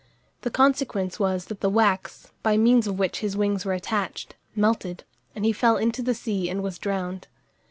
The consequence was that the wax, by means of which his wings were attached, melted, and he fell into the sea and was drowned.